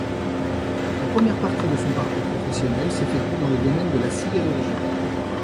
La première partie de son parcours professionnel s'effectue dans le domaine de la sidérurgie.